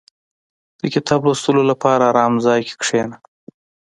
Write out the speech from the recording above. • د کتاب لوستلو لپاره آرام ځای کې کښېنه.